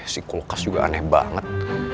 sikulkas juga aneh banget